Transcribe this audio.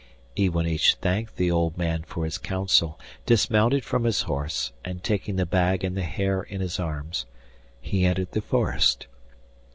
Iwanich thanked the old man for his counsel, dismounted from his horse, and, taking the bag and the hare in his arms, he entered the forest.